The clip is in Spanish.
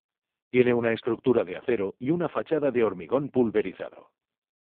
Tiene una estructura de acero y una fachada de hormigón pulverizado.